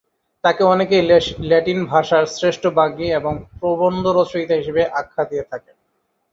তাকে অনেকেই ল্যাটিন ভাষার শ্রেষ্ঠ বাগ্মী এবং প্রবন্ধ রচয়িতা হিসেবে আখ্যা দিয়ে থাকেন।